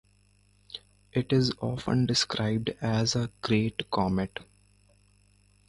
It is often described as a "great comet".